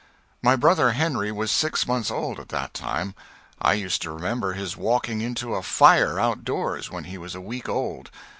My brother Henry was six months old at that time. I used to remember his walking into a fire outdoors when he was a week old.